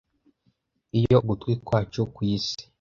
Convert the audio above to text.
Iyo ugutwi kwacu kwisi